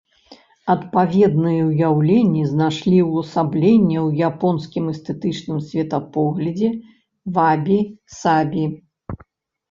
Адпаведныя ўяўленні знайшлі ўвасабленне ў японскім эстэтычным светапоглядзе вабі-сабі.